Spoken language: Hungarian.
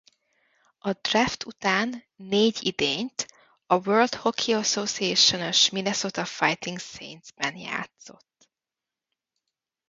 A draft után négy idényt a World Hockey Association-ös Minnesota Fighting Saints-ben játszott.